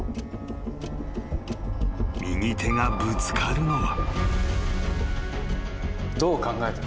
［右手がぶつかるのは］